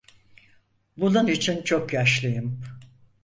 Bunun için çok yaşlıyım.